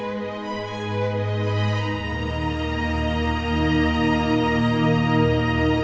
aku akan jangan ke